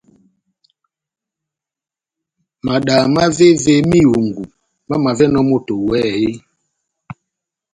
Madaha mávévémá ihungu mamavɛnɔni moto eeeh ?